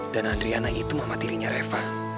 dan adriana itu mama tirinya reva